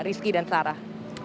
rizky dan sarah